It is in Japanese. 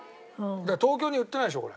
だから東京に売ってないでしょ？